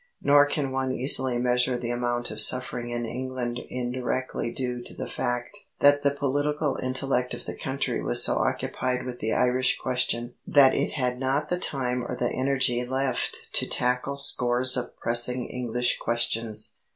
Nor can one easily measure the amount of suffering in England indirectly due to the fact that the political intellect of the country was so occupied with the Irish question that it had not the time or the energy left to tackle scores of pressing English questions.